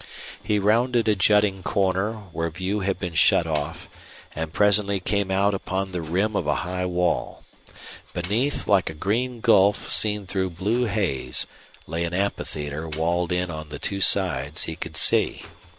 He rounded a jutting corner, where view had been shut off, and presently came out upon the rim of a high wall. Beneath, like a green gulf seen through blue haze, lay an amphitheater walled in on the two sides he could see.